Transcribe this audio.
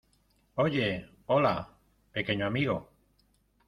Oye, hola , pequeño amigo.